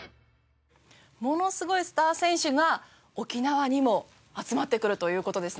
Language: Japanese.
ものすごいスター選手が沖縄にも集まってくるという事ですね。